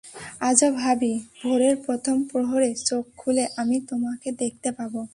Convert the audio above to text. আজও ভাবি ভোরের প্রথম প্রহরে চোখ খুলে আমি তোমাকে দেখতে পাব।